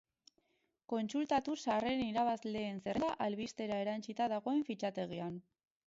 Kontsultatu sarreren irabazleen zerrenda albistera erantsita dagoen fitxategian.